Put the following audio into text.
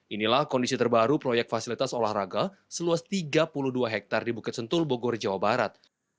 inilah kondisi terbaru proyek fasilitas olahraga seluas tiga puluh dua hektare di bukit sentul bogor jawa barat